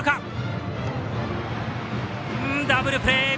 ダブルプレー。